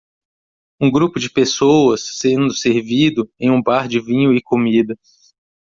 Um grupo de pessoas sendo servido em um bar de vinho e comida